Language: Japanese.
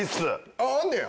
あっあんねや？